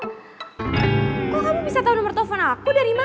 kok kamu bisa tau nomer telfon aku dari mana